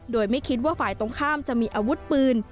โดยไม่คิดว่าฝ่ายตรงข้ามจะมีอาวุธปืน